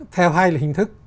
theo hai hình thức